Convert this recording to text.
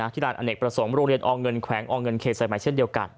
ที่ร้านอเนกประสงค์โรงเรียนอเงินแขวงอเงินเขตสายใหม่เช่นเดียวกัน